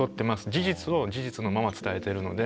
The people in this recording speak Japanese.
事実を事実のまま伝えてるので。